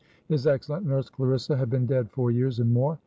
His excellent nurse Clarissa had been dead four years and more.